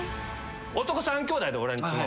男三兄弟で俺んちも。